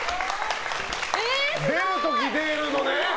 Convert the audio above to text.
出る時、出るのね。